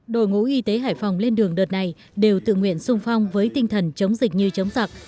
đội ngũ y tế hải phòng lên đường đợt này đều tự nguyện sung phong với tinh thần chống dịch như chống giặc